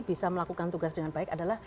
bisa melakukan tugas dengan baik adalah